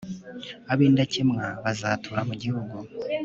ab'indakemwa bazatura mu gihugu